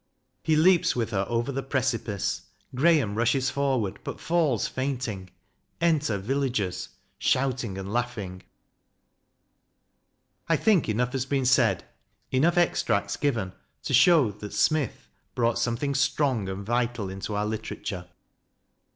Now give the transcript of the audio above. [He leaps with her over the precipice. GRAHAM rushes forward, but falls fainting. Enter VILLAGERS, shouting and laughing. I think enough has been said, enough extracts JOHN DAVIDSON: REALIST 197 given, to show that " Smith " brought something strong and vital into our literature.